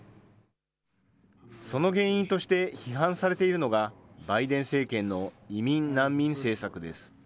その原因として批判されているのが、バイデン政権の移民・難民政策です。